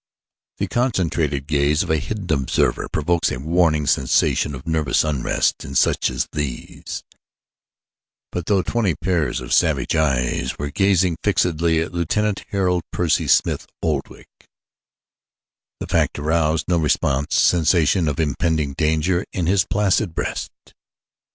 The concentrated gaze of a hidden observer provokes a warning sensation of nervous unrest in such as these, but though twenty pairs of savage eyes were gazing fixedly at Lieutenant Harold Percy Smith Oldwick, the fact aroused no responsive sensation of impending danger in his placid breast.